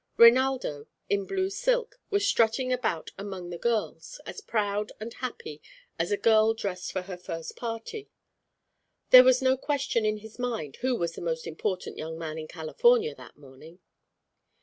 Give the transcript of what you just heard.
Reinaldo, in blue silk, was strutting about among the girls, as proud and happy as a girl dressed for her first party. There was no question in his mind who was the most important young man in California that morning.